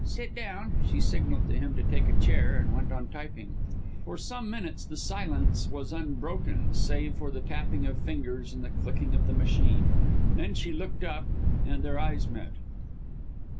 Sit down." She signalled to him to take a chair and went on typing. For some minutes the silence was unbroken, save for the tapping of fingers and the clicking of the machine. Then she looked up, and their eyes met.